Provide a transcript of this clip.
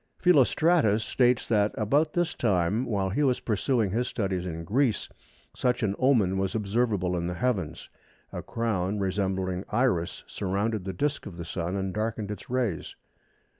Philostratus states that "about this time while he was pursuing his studies in Greece such an omen was observable in the heavens. A crown resembling Iris surrounded the disc of the Sun and darkened its rays."